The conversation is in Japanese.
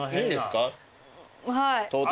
はい。